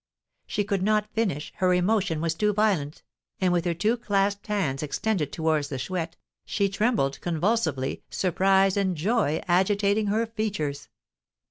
She could not finish, her emotion was too violent; and with her two clasped hands extended towards the Chouette, she trembled convulsively, surprise and joy agitating her features.